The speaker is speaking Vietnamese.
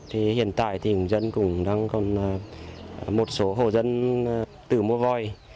thì hiện tại thì dân cũng đang còn một số hộ dân tự mua voi